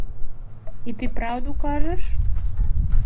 І ты праўду кажаш?